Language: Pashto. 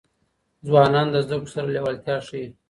ځوانان د زدهکړو سره لېوالتیا ښيي.